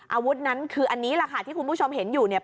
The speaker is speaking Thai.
อาวุธนั้นคืออันนี้แหละค่ะที่คุณผู้ชมเห็นอยู่เนี่ย